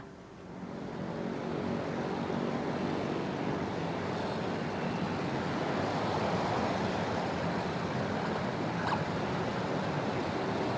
ya seperti yang terdapat di video ini